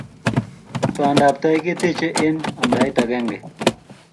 Pandaptai ke teche eng amtaet akenge